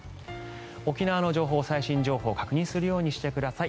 沖縄の情報、最新情報を確認するようにしてください。